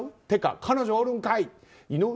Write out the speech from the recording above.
てか彼女おるんかい！